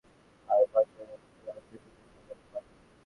আর পাঁজরের উপরের অংশটুকুই সর্বাধিক বাকা।